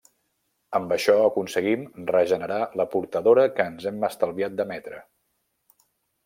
Amb això aconseguim regenerar la portadora que ens hem estalviat d'emetre.